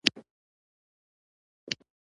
د شرابو د انحصار پرضد یې مبارزه وکړه.